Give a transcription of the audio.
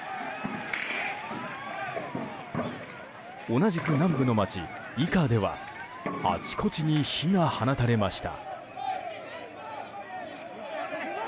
同じく南部の街イカではあちこちに火が放たれました。